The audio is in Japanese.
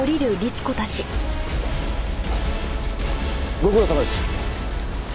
ご苦労さまです。